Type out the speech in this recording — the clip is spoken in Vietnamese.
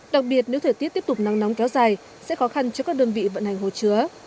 đặc biệt nếu thời tiết tiếp tục nắng nóng kéo dài sẽ khó khăn cho các đơn vị vận hành hồ chứa